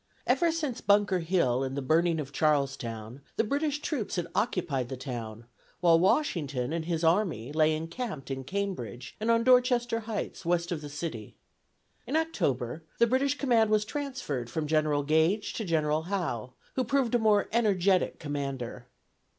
Ever since Bunker Hill and the burning of Charlestown, the British troops had occupied the town, while Washington and his army lay encamped in Cambridge and on Dorchester Heights, west of the city. In October, the British command was transferred from General Gage to General Howe, who proved a more energetic commander.